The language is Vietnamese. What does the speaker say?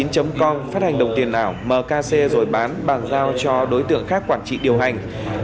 com phát hành đồng tiền ảo mkc rồi bán bàn giao cho đối tượng khác quản trị điều hành